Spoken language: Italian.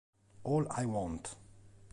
All I Want